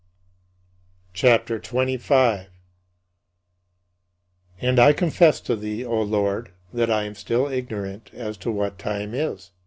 CHAPTER XXV 32. And I confess to thee, O Lord, that I am still ignorant as to what time is.